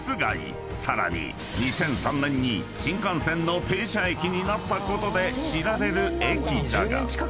［さらに２００３年に新幹線の停車駅になったことで知られる駅だが］